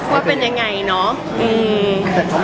ว่าเป็นยังไงเนาะ